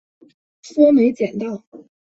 说没捡到